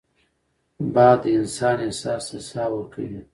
باد د انسان احساس ته ساه ورکوي